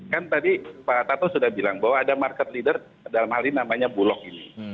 kan tadi pak tato sudah bilang bahwa ada market leader dalam hal ini namanya bulog ini